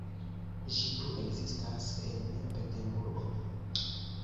Ĝi plu ekzistas en Peterburgo.